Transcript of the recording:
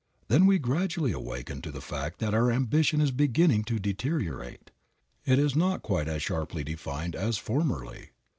Then we gradually awaken to the fact that our ambition is beginning to deteriorate. It is not quite as sharply defined as formerly.